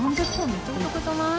めちゃお得じゃない？